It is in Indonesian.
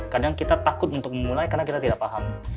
kadang kita takut untuk memulai karena kita tidak paham